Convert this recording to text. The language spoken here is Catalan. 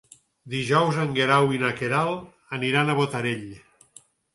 Dijous en Guerau i na Queralt aniran a Botarell.